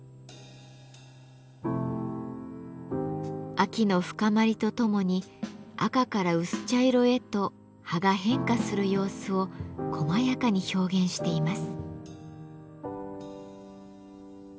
秋の深まりとともに赤から薄茶色へと葉が変化する様子をこまやかに表現しています。